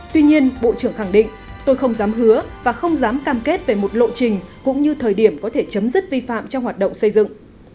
tuy nhiên bộ trưởng khẳng định tôi không dám hứa và không dám cam kết về một lộ trình cũng như thời điểm có thể chấm dứt vi phạm trong hoạt động xây dựng